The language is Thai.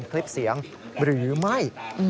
คลิปเสียงหรือไม่